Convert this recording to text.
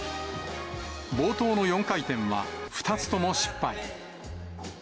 冒頭の４回転は２つとも失敗。